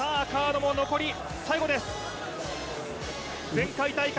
前回大会